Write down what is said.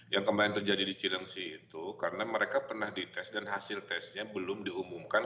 yang kemarin terjadi di cilengsi itu karena mereka pernah dites dan hasil tesnya belum diumumkan